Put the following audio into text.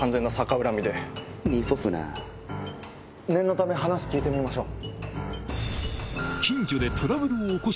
念のため話聞いてみましょう。